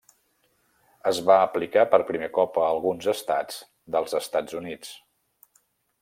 Es va aplicar per primer cop a alguns Estats dels Estats Units.